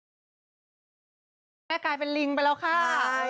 คือใบเฟิร์นเขาเป็นคนที่อยู่กับใครก็ได้ค่ะแล้วก็ตลกด้วย